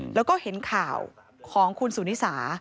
แล้วก็เห็นข่าวของคุณสุนิสา